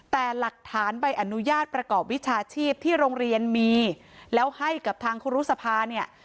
แต่หลักฐานใบอนุญาตประกอบวิชาชีพที่โรงเรียนมีแล้วให้กับทางครูรุษภาเนี่ย